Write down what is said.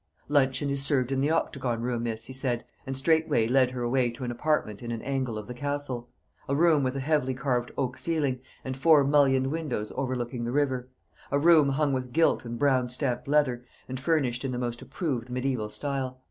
"Luncheon is served in the octagon room, miss," he said, and straightway led her away to an apartment in an angle of the Castle: a room with a heavily carved oak ceiling, and four mullioned windows overlooking the river; a room hung with gilt and brown stamped leather, and furnished in the most approved mediaeval style.